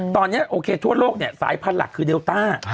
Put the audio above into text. ตอนนี้โอเคทั่วโลกเนี่ยสายพันธุ์หลักคือเดลต้า